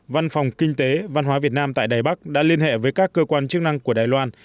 văn phòng kinh tế văn hóa việt nam tại đài bắc đã liên hệ với các cơ quan chức năng của đài loan